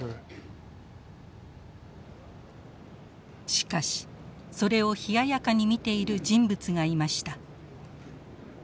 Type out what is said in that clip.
しかしそれを冷ややかに見ている人物がいました。